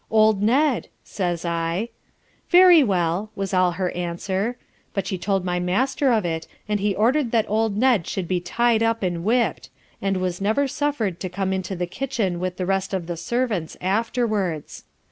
Old Ned, says I. Very well was all her answer; but she told my master of it, and he order'd that old Ned should be tyed up and whipp'd, and was never suffer'd to come into the kitchen with the rest of the servants afterwards.